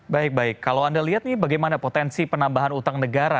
baik baik kalau anda lihat nih bagaimana potensi penambahan utang negara